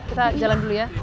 kita jalan dulu ya